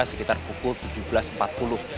sekitar pukul tujuh belas empat puluh